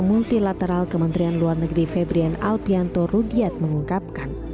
multilateral kementerian luar negeri febrian alpianto rudiat mengungkapkan